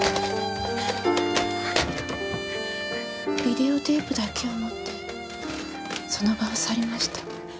ビデオテープだけを持ってその場を去りました。